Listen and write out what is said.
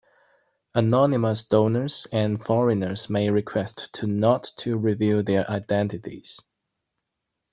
Anonymous donors and foreigners may request to not to reveal their identities.